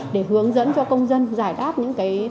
để hướng dẫn cho công dân giải đáp những thắc mắc